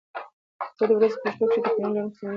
زه د ورځې په اوږدو کې د پنیر لرونکي سنکس اندازه کنټرول کوم.